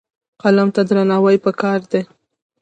قلم ته درناوی پکار دی.